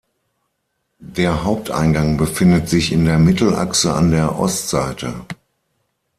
Der Haupteingang befindet sich in der Mittelachse an der Ostseite.